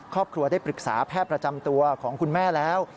ครอบครัวได้ปรึกษาแพทย์ประจำตัวของคุณแม่แล้ว